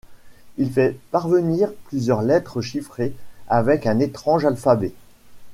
Il fait parvenir plusieurs lettres chiffrées avec un étrange alphabet.